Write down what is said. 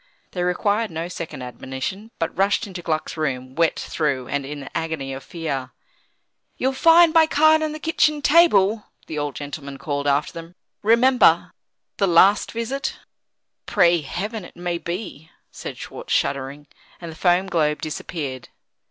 They required no second admonition, but rushed into Gluck's room, wet through, and in an agony of terror. "You'll find my card on the kitchen table," the old gentleman called after them. "Remember, the last visit." "Pray Heaven it may be!" said Schwartz, shuddering. And the foam globe disappeared.